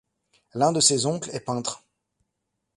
L'un de ses oncles est peintre.